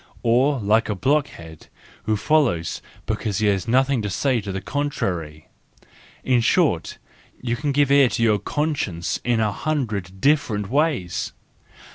Or like a blockhead who follows because he has nothing to say to the contrary. In short, you can give ear to your conscience in a hundred different ways.